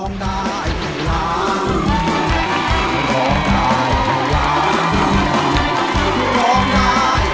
คุณผู้ชมตกใจแปลกอย่าพึ่งเข้าใจผิดว่าเป็นรายการอื่นนะครับ